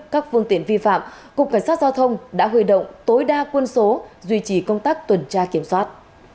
các phương tiện vi phạm cục cảnh sát giao thông đã huy động tối đa quân số duy trì công tác tuần tra kiểm soát